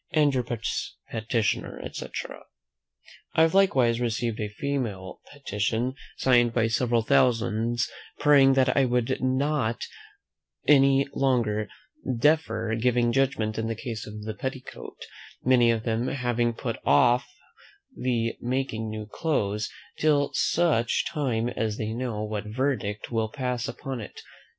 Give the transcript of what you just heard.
"And your petitioner," etc. I have likewise received a female petition, signed by several thousands, praying that I would not any longer defer giving judgment in the case of the petticoat, many of them having put off the making new clothes, till such time as they know what verdict will pass upon it.